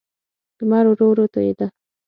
لمر ورو ورو تودېده.